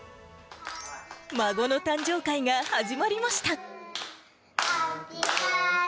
孫の誕生会が始まりました。